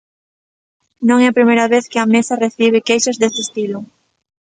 Non é a primeira vez que a Mesa recibe queixas deste estilo.